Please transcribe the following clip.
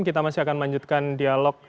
kita masih akan melanjutkan dialog